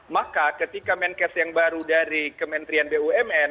maka ketika menkes yang baru dari kementerian bumn